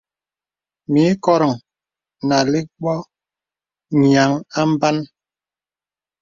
Mì ìkòrōŋ nà àlə̀k bô nīaŋ à mbānə.